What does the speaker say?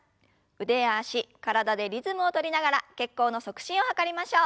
腕や脚体でリズムを取りながら血行の促進を図りましょう。